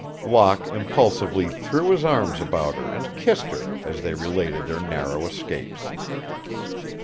Locke impulsively threw his arms about her and kissed her as they related their narrow escapes.